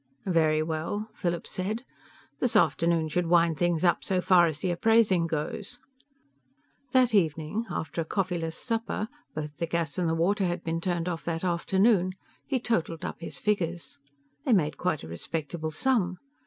"Very well," Philip said. "This afternoon should wind things up so far as the appraising goes." That evening, after a coffee less supper both the gas and the water had been turned off that afternoon he totaled up his figures. They made quite a respectable sum.